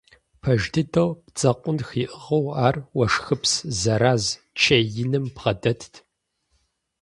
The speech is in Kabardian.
Пэж дыдэу, бдзэкъунтх иӀыгъыу ар уэшхыпс зэраз чей иным бгъэдэтт.